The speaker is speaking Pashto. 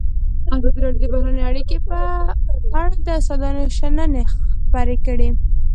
ازادي راډیو د بهرنۍ اړیکې په اړه د استادانو شننې خپرې کړي.